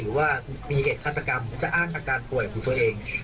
หรือว่ามีเหตุฆาตกรรมจะอ้างอาการป่วยของตัวเอง